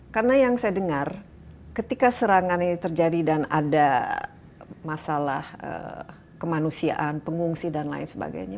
karena yang saya dengar ketika serangan ini terjadi dan ada masalah kemanusiaan pengungsi dan lain sebagainya